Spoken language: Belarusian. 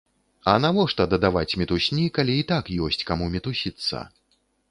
А навошта дадаваць мітусні, калі і так ёсць каму мітусіцца?